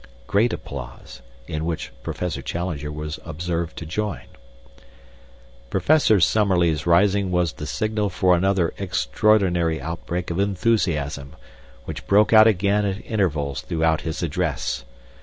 (Great applause, in which Professor Challenger was observed to join.) "Professor Summerlee's rising was the signal for another extraordinary outbreak of enthusiasm, which broke out again at intervals throughout his address.